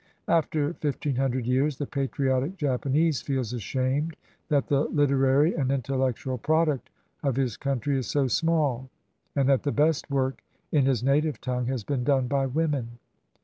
After fifteen hundred years, the patriotic Japanese feels ashamed that the literary and intellectual product of his country is so small, and that the best work in his native tongue has been done by women.